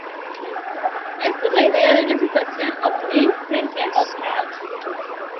Esto es la idea de una situación opt-in frente a opt-out.